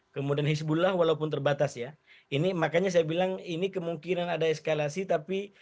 kemudian hizbullah walaupun terbatas ya ini makanya saya bilang ini kemungkinan ada eskalasi tapi